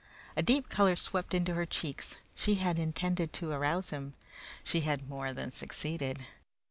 A deep color swept into her cheeks. She had intended to arouse him. She had more than succeeded.